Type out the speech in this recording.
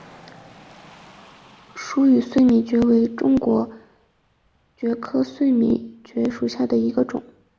疏羽碎米蕨为中国蕨科碎米蕨属下的一个种。